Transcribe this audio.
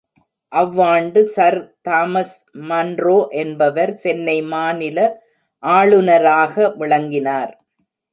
அவ்வாண்டு sir Thomas Munro என்பவர் சென்னை மாநில ஆளுந ராக விளங்கினார்.